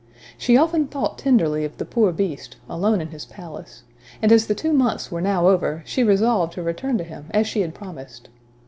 She often thought tenderly of the poor Beast, alone in his palace; and as the two months were now over, she resolved to return to him as she had promised.